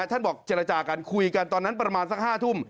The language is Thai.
ท่านบอกเจรจากันคุยกันตอนนั้นประมาณสัก๕ทุ่ม